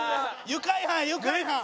愉快犯や愉快犯！